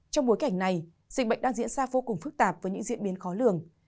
trong bối cảnh này dịch bệnh đang diễn ra vô cùng phức tạp với những diễn biến khó lường